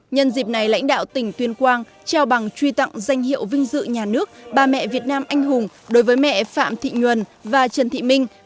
nhân dịp này lãnh đạo tỉnh tuyên quang trao bằng truy tặng danh hiệu vinh dự nhà nước bà mẹ việt nam anh hùng đối với mẹ phạm thị nguyền và trần thị minh